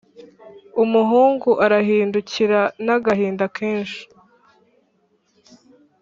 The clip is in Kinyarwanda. umuhungu arahindukira n'agahinda kenshi